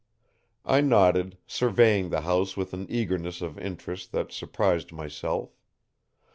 I nodded, surveying the house with an eagerness of interest that surprised myself.